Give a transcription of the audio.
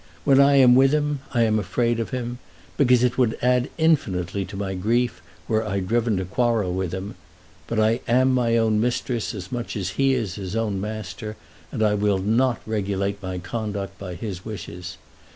When I am with him I am afraid of him, because it would add infinitely to my grief were I driven to quarrel with him; but I am my own mistress as much as he is his own master, and I will not regulate my conduct by his wishes.